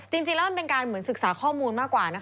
จริงแล้วมันเป็นการเหมือนศึกษาข้อมูลมากกว่านะคะ